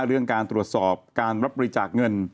เรื่องการตรวจสอบการรับบริจาคเงิน